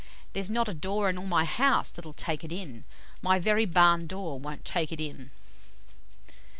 there's nae a door in all my house that'll tak it in; my very barn door winna' tak it in.'"